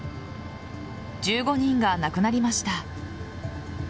１５人が亡くなりました。